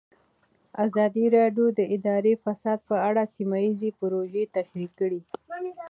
ازادي راډیو د اداري فساد په اړه سیمه ییزې پروژې تشریح کړې.